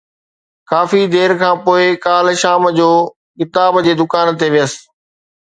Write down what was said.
ڪافي دير کان پوءِ ڪالهه شام جو ڪتاب جي دڪان تي ويس